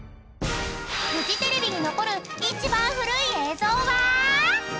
［フジテレビに残る一番古い映像は］